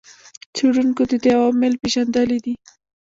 څېړونکو د دې عوامل پېژندلي دي.